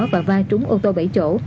và va trúng ô tô bảy chỗ